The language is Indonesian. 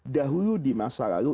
dahulu di masa lalu